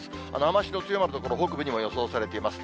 雨足の強まる所、北部にも予想されています。